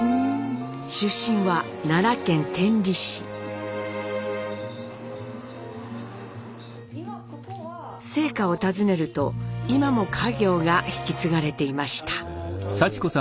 出身は奈良県生家を訪ねると今も家業が引き継がれていました。